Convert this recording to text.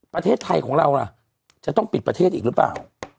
ประเทศไทยของเราล่ะจะต้องปิดประเทศอีกหรือเปล่า